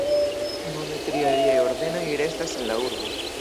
Nune tri aliaj ordenoj restas en la urbo.